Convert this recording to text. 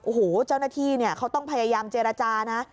โอ้โหเจ้าหน้าที่เนี่ยเขาต้องพยายามเจรจานะ